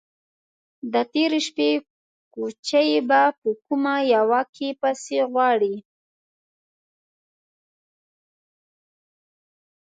_د تېرې شپې کوچی به په کومه يوه کې پسې غواړې؟